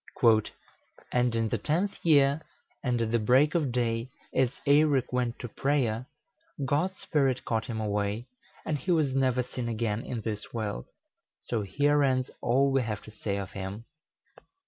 "And in the tenth year, and at break of day, as Eirek went to prayer, God's Spirit caught him away, and he was never seen again in this world: so here ends all we have to say of him."